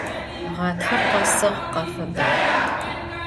Ğatxer khesığ, khefebağ.